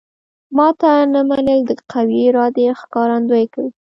ماته نه منل د قوي ارادې ښکارندوی کوي